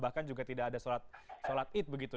bahkan juga tidak ada sholat id begitu